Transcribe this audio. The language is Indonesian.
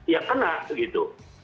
yang kena gitu